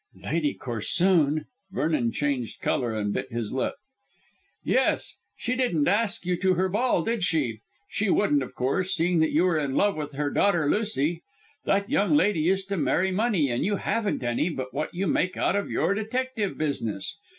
"Lady Corsoon!" Vernon changed colour and bit his lip. "Yes. She didn't ask you to her ball, did she? She wouldn't, of course, seeing that you are in love with her daughter Lucy. That young lady is to marry money, and you haven't any but what you make out of your detective business.